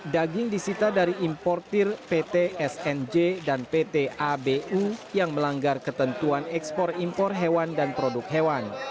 daging disita dari importir pt snj dan pt abu yang melanggar ketentuan ekspor impor hewan dan produk hewan